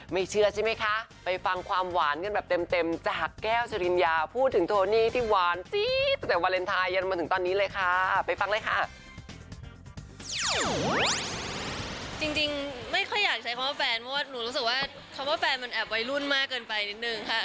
เพราะว่าหนูรู้สึกว่าคำว่าแฟนมันแอบไว้รุ่นมากเกินไปนิดหนึ่งค่ะ